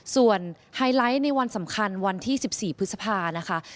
ส่วนไฮไลท์ในวันสำคัญวันที่๑๔พฤษภานะคะ